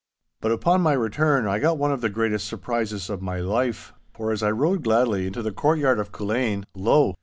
But upon my return I got one of the greatest surprises of my life, for as I rode gladly into the courtyard of Culzean, lo!